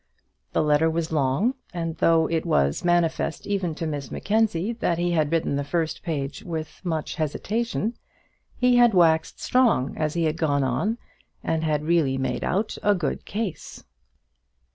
The letter was long, and though it was manifest even to Miss Mackenzie that he had written the first page with much hesitation, he had waxed strong as he had gone on, and had really made out a good case.